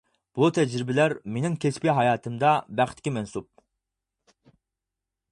بۇ تەجرىبىلەر مېنىڭ كەسپىي ھاياتىمدا بەختكە مەنسۇپ.